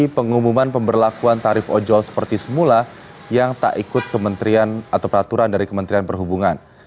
pengumuman pemberlakuan tarif ojol seperti semula yang tak ikut kementerian atau peraturan dari kementerian perhubungan